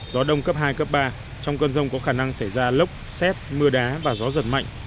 gió đông cấp hai cấp ba trong cơn rông có khả năng xảy ra lốc xét mưa đá và gió giật mạnh